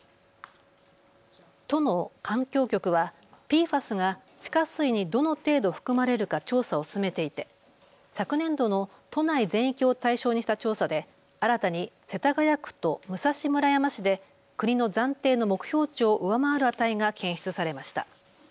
都の環境局はＰＦＡＳが地下水にどの程度、含まれるか調査を進めていて昨年度の都内全域を対象にした調査で新たに世田谷区と武蔵村山市で国の暫定の目標値を上回る値が検出されました。